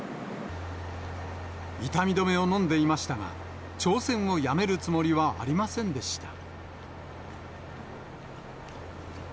痛み止めを飲んでいましたが、挑戦をやめるつもりはありませんでした。